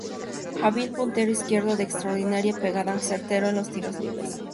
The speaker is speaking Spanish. Hábil puntero izquierdo de extraordinaria pegada, certero en los tiros libres.